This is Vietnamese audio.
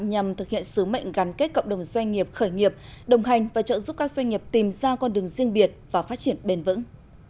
nhằm thực hiện sứ mệnh gắn kết cộng đồng doanh nghiệp khởi nghiệp đồng hành và trợ giúp các doanh nghiệp tìm ra con đường riêng biệt và phát triển bền vững